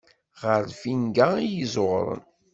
Ɣer lfinga iyi-ẓuɣṛen.